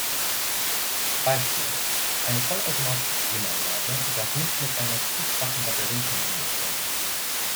Beispiel: Eine vollautomatische Klimaanlage darf nicht mit einer zu schwachen Batterie kombiniert werden.